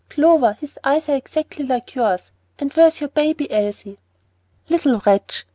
Clover, his eyes are exactly like yours! And where is your baby, Elsie?" "Little wretch!